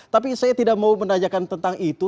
tapi saya tidak mau menanyakan tentang itu